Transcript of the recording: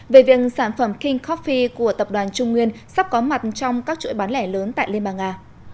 về việc sản phẩm king coffee của tập đoàn trung nguyên sắp có mặt trong các chuỗi bán lẻ lớn tại liên bang nga